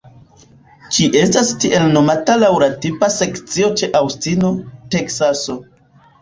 Ĝi estas tiele nomata laŭ la tipa sekcio ĉe Aŭstino, Teksaso.